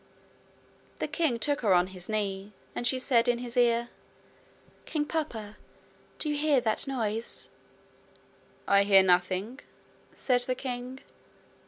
The king took her on his knee, and she said in his ear: 'King papa, do you hear that noise?' 'I hear nothing,' said the king.